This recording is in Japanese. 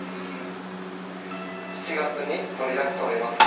７月に取り出しております。